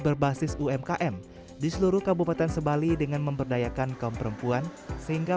berbasis umkm di seluruh kabupaten sebali dengan memberdayakan kaum perempuan sehingga